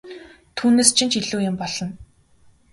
Түүнээс чинь ч илүү юм болно!